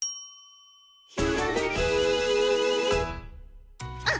「ひらめき」あっ！